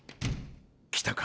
来たか。